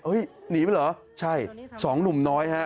หนีไปเหรอใช่สองหนุ่มน้อยฮะ